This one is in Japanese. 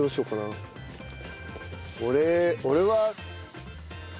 俺俺は。